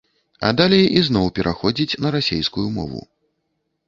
А далей ізноў пераходзіць на расейскую мову.